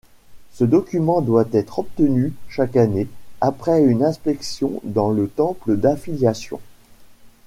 Ce document doit être obtenu chaque année, après une inspection dans le temple d'affiliation.